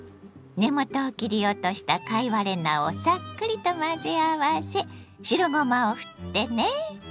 根元を切り落とした貝割れ菜をさっくりと混ぜ合わせ白ごまをふってね。